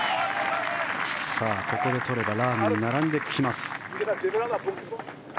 ここで取ればラームに並んできます。